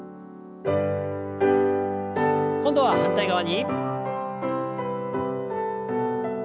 今度は反対側に。